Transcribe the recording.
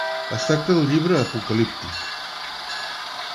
Es tracta d'un llibre apocalíptic.